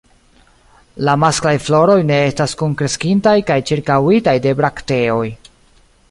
La masklaj floroj ne estas kunkreskintaj kaj ĉirkaŭitaj de brakteoj.